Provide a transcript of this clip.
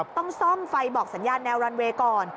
ต้องซ่อมไฟบอกสัญญาณแนวรันเวย์ก่อน